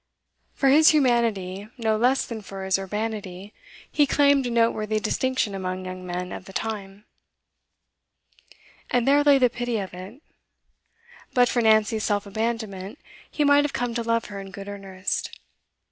For his humanity, no less than for his urbanity, he claimed a noteworthy distinction among young men of the time. And there lay the pity of it. But for Nancy's self abandonment, he might have come to love her in good earnest.